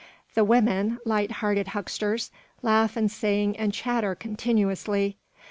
The women, light hearted hucksters, laugh and sing and chatter continuously.